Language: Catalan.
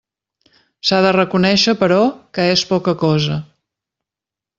S'ha de reconéixer, però, que és poca cosa.